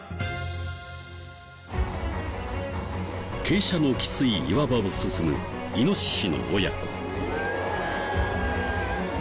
傾斜のきつい岩場を進むイノシシの親子。